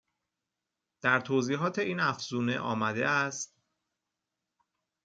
در توضیحات این افزونه آمده است